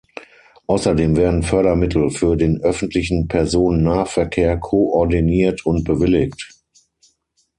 Außerdem werden Fördermittel für den Öffentlichen Personennahverkehr koordiniert und bewilligt.